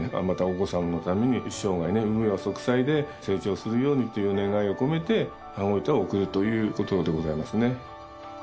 またお子さんのために一生涯ね無病息災で成長するようにという願いを込めて羽子板を送るということでございますね。